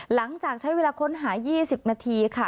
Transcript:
หลังจากใช้เวลาค้นหา๒๐นาทีค่ะ